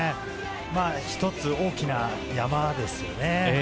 一つ大きな山ですよね。